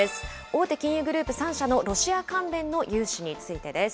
大手金融グループ３社のロシア関連の融資についてです。